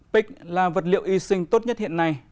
pic là vật liệu y sinh tốt nhất hiện nay